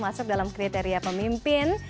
masuk dalam kriteria pemimpin